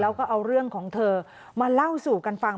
แล้วก็เอาเรื่องของเธอมาเล่าสู่กันฟัง